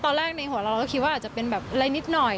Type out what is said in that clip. ในหัวเราเราก็คิดว่าอาจจะเป็นแบบอะไรนิดหน่อย